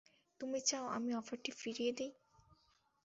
তুমি চাও আমি অফারটি ফিরিয়ে দিই?